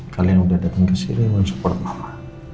kalian udah dateng kesini non support mama